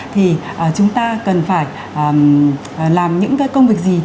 thì chúng ta cần phải làm những cái công việc gì